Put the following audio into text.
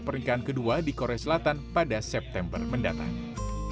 memiliki nama yang sama kartu undangan yang tertulis lee min ho dan puput